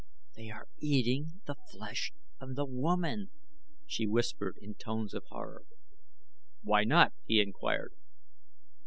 "They are eating the flesh of the woman," she whispered in tones of horror. "Why not?" he inquired.